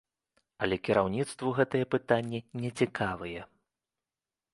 Але кіраўніцтву гэтыя пытанні нецікавыя.